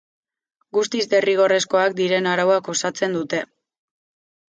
Guztiz derrigorrezkoak diren arauak osatzen dute.